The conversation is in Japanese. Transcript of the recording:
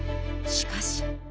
しかし。